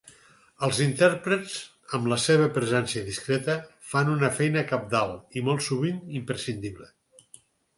Els intèrprets, amb la seva presència discreta, fan una feina cabdal i molt sovint imprescindible.